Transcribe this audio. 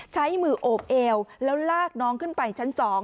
ใช้มือโอบเอวแล้วลากน้องขึ้นไปชั้น๒